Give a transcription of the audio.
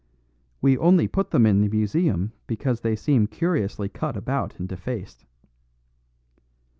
We only put them in the museum because they seem curiously cut about and defaced."